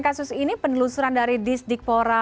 kasus ini penelusuran dari disdikpora